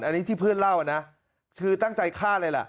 อันนี้ที่เพื่อนเล่านะคือตั้งใจฆ่าเลยล่ะ